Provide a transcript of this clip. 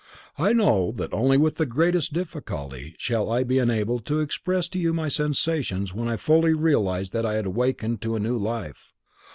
"I know that only with the greatest difficulty shall I be enabled to express to you my sensations when I fully realized that I had awakened to a new life.